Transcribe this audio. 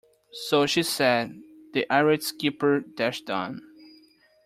So she said, the irate skipper dashed on.